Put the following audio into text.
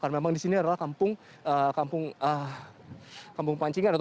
karena memang di sini adalah kampung pancingan